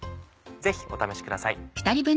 ぜひお試しください。